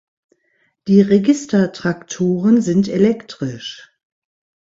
Die Registertrakturen sind elektrisch.